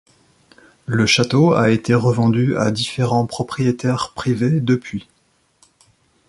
Le château a été revendu à différents propriétaires privés depuis.